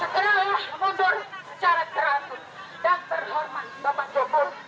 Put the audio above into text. terpilih mundur secara teratur dan terhormat bapak jokowi